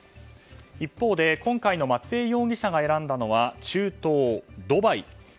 一方、今回の松江容疑者が選んだのは中東ドバイ。